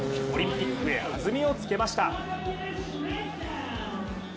オリンピックへはずみをつけました。